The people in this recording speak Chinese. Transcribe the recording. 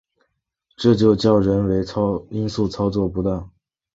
这就叫人为因素操作不当